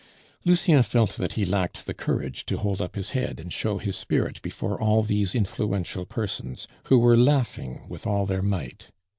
Lucien felt that he lacked the courage to hold up his head and show his spirit before all these influential persons, who were laughing with all their might.